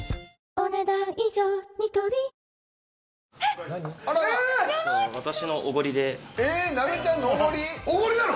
おごりなの！？